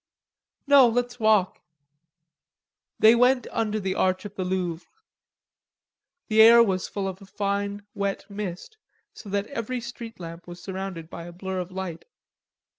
"No; let's walk." They went under the arch of the Louvre. The air was full of a fine wet mist, so that every street lamp was surrounded by a blur of light.